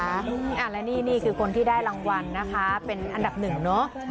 และนี่คือคนที่ได้รางวัลนะคะเป็นอันดับหนึ่งเนอะ